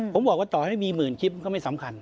ผมบอกว่าต่อให้มีหมื่นคลิปมันก็ไม่สำคัญ